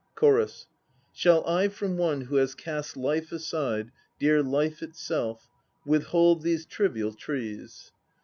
CHORUS. "Shall I from one who has cast life aside, Dear life itself, withold these trivial trees?"